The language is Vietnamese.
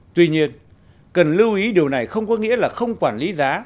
tuy nhiên cần lưu ý điều này không có nghĩa là không quản lý giá